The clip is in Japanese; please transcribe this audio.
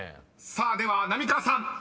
［さあでは浪川さん］